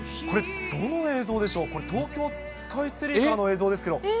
これ、どこの映像でしょう、これ、東京スカイツリーからの映像ですけど。